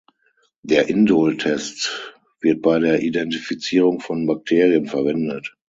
Der Indol-Test wird bei der Identifizierung von Bakterien verwendet.